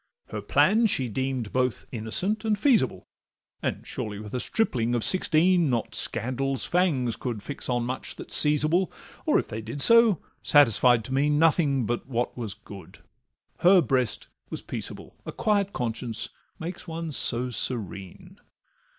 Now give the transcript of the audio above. Her plan she deem'd both innocent and feasible, And, surely, with a stripling of sixteen Not scandal's fangs could fix on much that 's seizable, Or if they did so, satisfied to mean Nothing but what was good, her breast was peaceable— A quiet conscience makes one so serene!